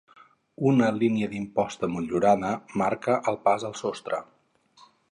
Una línia d'imposta motllurada marca el pas al sostre.